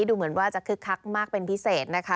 ดูเหมือนว่าจะคึกคักมากเป็นพิเศษนะคะ